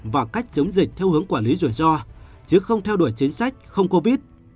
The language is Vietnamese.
và cách chống dịch theo hướng quản lý rủi ro chứ không theo đuổi chính sách không covid